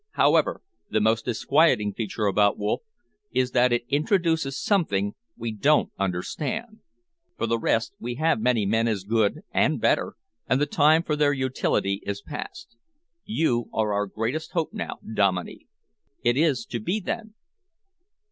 "However, the most disquieting feature about Wolff is that it introduces something we don't understand. For the rest, we have many men as good, and better, and the time for their utility is past. You are our great hope now, Dominey." "It is to be, then?"